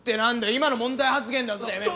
今の問題発言だぞてめえ！